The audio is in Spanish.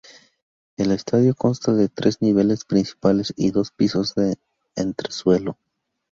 El estadio consta de tres niveles principales y dos pisos de entresuelo.